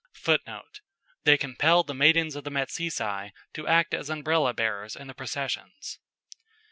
[Footnote: "They compelled the maidens of the Metceci to act as umbrella bearers in the processions."